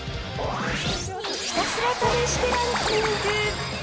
ひたすら試してランキング。